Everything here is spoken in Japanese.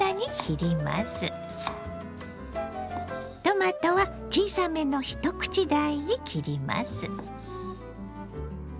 トマトは小さめの一口大に切ります。